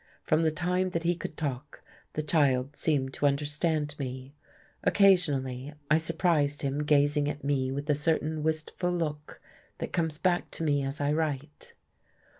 From the time that he could talk the child seemed to understand me. Occasionally I surprised him gazing at me with a certain wistful look that comes back to me as I write.